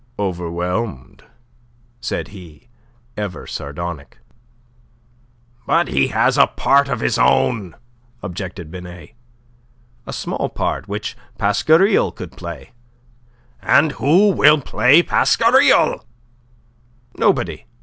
"Overwhelmed," said he, ever sardonic. "But he has a part of his own," objected Binet. "A small part, which Pasquariel could play." "And who will play Pasquariel?" "Nobody.